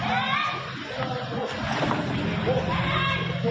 ตายลูกไม่ตายแล้ว